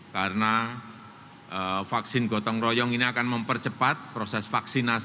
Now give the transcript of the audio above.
karena vaksin gotong royong ini akan mempercepat proses vaksinasi